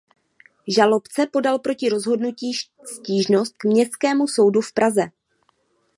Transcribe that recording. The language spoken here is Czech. Žalobce podal proti rozhodnutí stížnost k Městskému soudu v Praze.